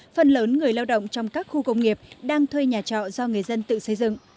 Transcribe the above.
phần lớn người lao động trong các khu công nghiệp đang thuê nhà trọ do người dân tự xây dựng